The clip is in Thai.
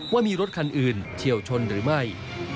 ว่ามีรถคันอื่นเฉียวชนหรือไม่